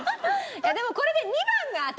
いやでもこれで。